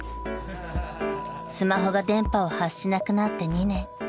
［スマホが電波を発しなくなって２年］